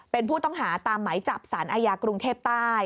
เป็นผู้ต้องหาตามไหมจับสารอาญากรุงเทพใต้